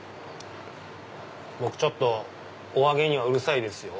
僕ちょっとお揚げにはうるさいですよ。